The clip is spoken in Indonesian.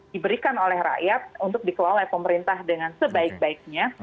diberikan oleh rakyat untuk dikelola oleh pemerintah dengan sebaik baiknya